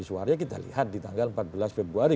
suaranya kita lihat di tanggal empat belas februari